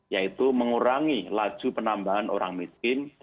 yaitu mengurangi laju penambahan orang miskin